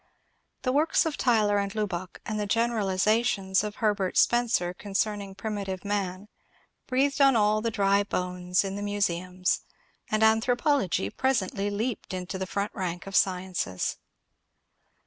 The works of Tylor and Lubbock and the generalizations of Herbert Spencer concern ing primitive man breathed on all the dry bones in the muse ums, and Anthropology presently leaped into the front rank of sciences.